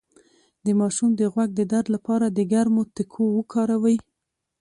د ماشوم د غوږ د درد لپاره د ګرمو تکو وکاروئ